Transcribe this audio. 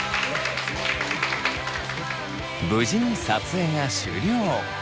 無事に撮影が終了。